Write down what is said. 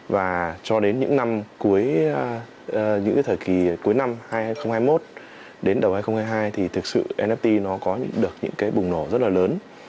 và cho đến những năm cuối những cái thời kỳ cuối năm hai nghìn hai mươi một đến đầu hai nghìn hai mươi hai thì thực sự nft nó có được những cái bùng nổ rất là lớn